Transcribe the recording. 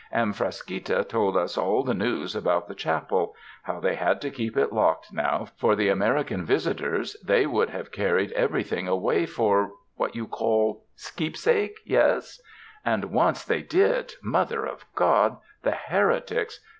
And Frasquita told us all the news about the chapel, how they had to keep it locked now, for the American visitors they would have carried everything away for — what you call? — keepsake, yes; and once they did — Mother of God, the here tics!